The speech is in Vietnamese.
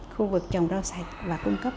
khu vực trồng rau sạch và cung cấp